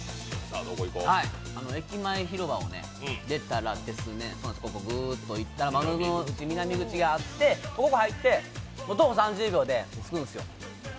駅前広場を出たら、ぐーっと行ったら丸の内南口があってここ入って徒歩３０秒でつくんですよ。